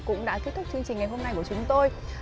cũng đã kết thúc chương trình ngày hôm nay của chúng tôi